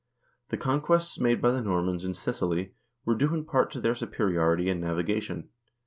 The conquests made by the Normans in Sicily were due in part to their superiority in navigation."